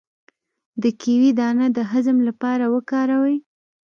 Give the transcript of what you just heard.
د کیوي دانه د هضم لپاره وکاروئ